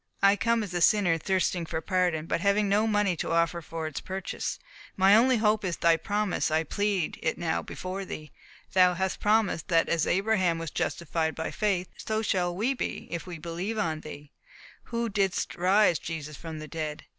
I come as a sinner, thirsting for pardon, but having no money to offer for its purchase. My only hope is in Thy promise. I plead it now before Thee. Thou hast promised, that as Abraham was justified by faith, so shall we be, if we believe on Thee, who didst raise Jesus from the dead.